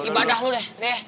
ibadah lu deh